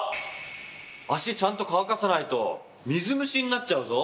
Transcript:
足ちゃんと乾かさないと水虫になっちゃうぞ！